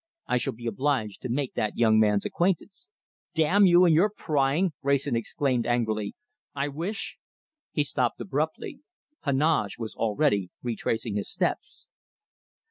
"I shall be obliged to make that young man's acquaintance." "Damn you and your prying!" Wrayson exclaimed angrily. "I wish " He stopped abruptly. Heneage was already retracing his steps.